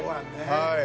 はい。